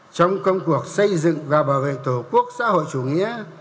trong công cuộc xây dựng và bảo vệ tổ quốc xã hội chủ nghĩa